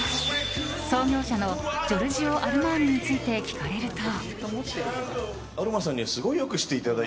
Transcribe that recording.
創業者のジョルジオ・アルマーニについて聞かれると。